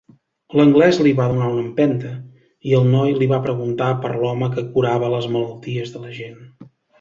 L'anglès li va donar una empenta i el noi li va preguntar per l'home que curava les malalties de la gent.